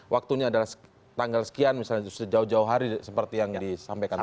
waktunya adalah tanggal sekian misalnya sejauh jauh hari seperti yang disampaikan tadi